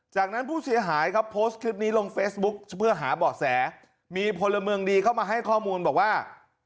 จากนั้นผู้เสียหายครับโพสต์คลิปนี้ลงเฟซบุ๊กเพื่อหาเบาะแสมีพลเมืองดีเข้ามาให้ข้อมูลบอกว่า